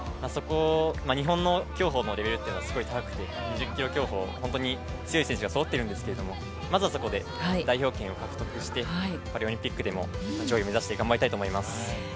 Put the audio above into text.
日本の競歩のレベルはすごく高くて、２０ｋｍ競歩、本当に強い選手がそろっているんですけれども、まずはそこで代表権を獲得してパリオリンピックでも上位を目指して頑張りたいと思います。